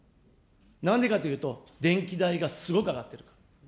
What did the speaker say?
なんでかというと、電気代がすごく上がってるから。